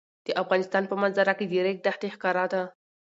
د افغانستان په منظره کې د ریګ دښتې ښکاره ده.